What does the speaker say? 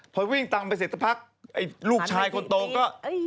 พอวิ่งตามไปเสร็จสักพักลูกชายคนโตก็